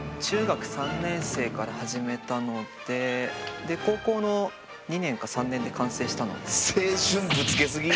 中学３年生から始めたのでで高校の２年か３年で完成したので。